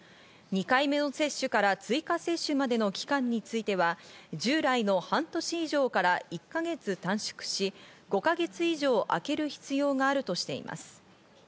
２回目の接種から追加接種までの期間については、従来の半年以上から１か月短縮し、５か月以上あける必要があるとしています。